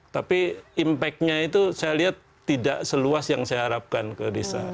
tapi impactnya itu saya lihat tidak seluas yang saya harapkan ke desa